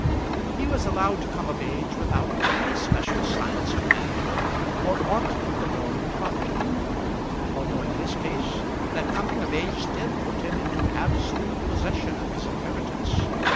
He was allowed to come of age without any special signs of manhood, or aught of the glory of property; although, in his case, that coming of age did put him into absolute possession of his inheritance.